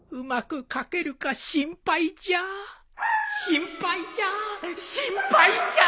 心配じゃ心配じゃー！